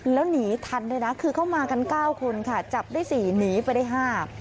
แล้วหนีทันด้วยนะคือเข้ามากันเก้าคนค่ะจับได้สี่หนีไปได้ห้า